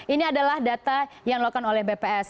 ini adalah data yang dilakukan oleh bps